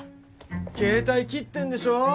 携帯切ってんでしょ